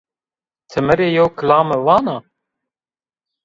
Ti mi rê yew kilame vana?